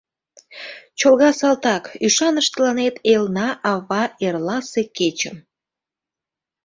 Чолга салтак, ӱшаныш тыланет элна-ава эрласе кечым.